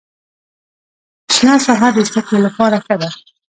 شنه ساحه د سترګو لپاره ښه ده